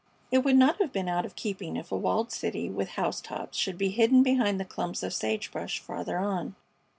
It would not have been out of keeping if a walled city with housetops should be hidden behind the clumps of sage brush farther on.